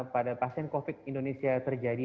pada pasien covid indonesia terjadi